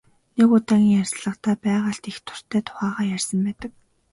Нэг удаагийн ярилцлагадаа байгальд их дуртай тухайгаа ярьсан байдаг.